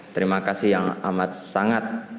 terima kasih yang amat sangat